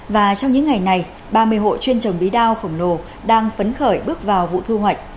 và trong những ngày này ba mươi hộ chuyên trồng bí đao khổng lồ đang phấn khởi bước vào vụ thu hoạch